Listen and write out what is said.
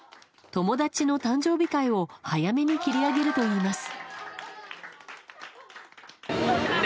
友達の誕生日会を早めに切り上げるといいます。